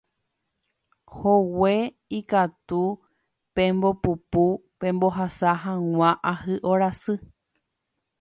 hogue ikatu pembopupu pembohasa hag̃ua ahy'orasy